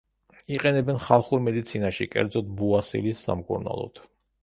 იყენებენ ხალხურ მედიცინაში, კერძოდ, ბუასილის სამკურნალოდ.